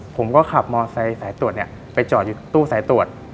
ผมก็ขับมอไซค์สายตรวจเนี่ยไปจอดอยู่ตู้สายตรวจ